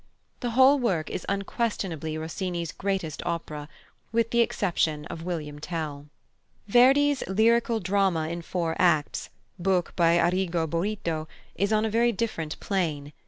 The whole work is unquestionably Rossini's greatest opera, with the exception of William Tell. +Verdi's+ "lyrical drama in four acts," book by Arrigo Boito, is on a very different plane.